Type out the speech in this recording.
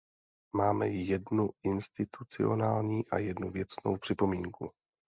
Mám jednu institucionální a jednu věcnou připomínku.